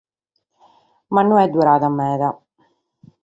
Ma no est durada meda.